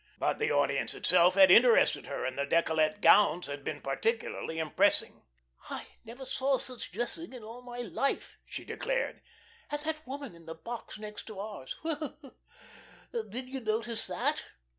But the audience itself had interested her, and the decollete gowns had been particularly impressing. "I never saw such dressing in all my life," she declared. "And that woman in the box next ours. Well! did you notice that!"